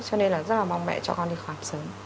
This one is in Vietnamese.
cho nên là rất là mong mẹ cho con đi khám sớm